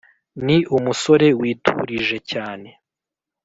Ni umusore witurije cyane